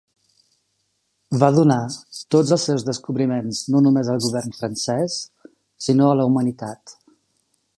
Va donar tots els seus descobriments no només al govern francès, sinó a la humanitat.